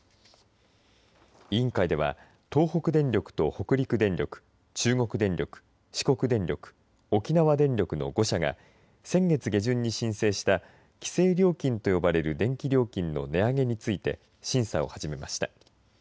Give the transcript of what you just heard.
委員会では、東北電力と北陸電力中国電力、四国電力沖縄電力の５社が先月下旬に申請した規制料金と呼ばれる電気料金の値上げについて審査を始めました。